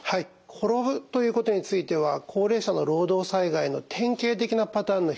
「転ぶ」ということについては高齢者の労働災害の典型的なパターンの一つです。